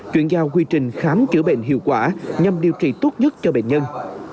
chuyển giao quy trình khám chữa bệnh hiệu quả nhằm điều trị tốt nhất cho bệnh nhân